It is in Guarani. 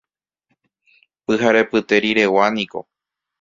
Pyharepyte riregua niko.